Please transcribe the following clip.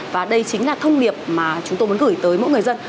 và đây chính là thông điệp mà chúng tôi muốn gửi tới mỗi người dân